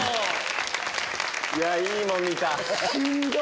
いやいいもん見た！